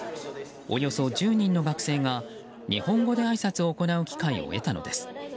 およそ１０人の学生が日本語であいさつを行う機会を得たのです。